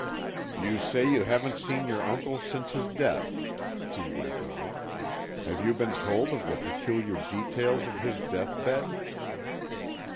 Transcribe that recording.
"You say you haven't seen your uncle since his death," Kee went on. "Have you been told of the peculiar details of his deathbed?"